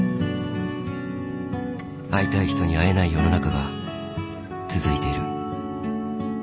会いたい人に会えない世の中が続いてる。